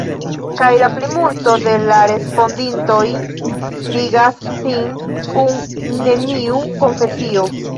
Kaj la plimulto de la respondintoj ligas sin kun neniu konfesio.